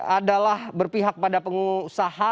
adalah berpihak pada pengusaha